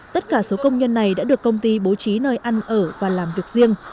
tất cả số công nhân này đã được công ty bố trí nơi ăn ở và làm việc riêng